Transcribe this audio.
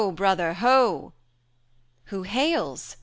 brother, ho!" "Who hails?"